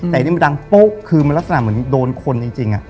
แต่อันนี้มันดังโป๊ะคือมันลักษณะเหมือนโดนคนจริง